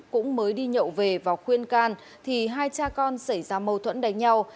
cũng mới đi nhậu về và khuyên can thì hai cha con xảy ra mâu thuẫn đánh nhau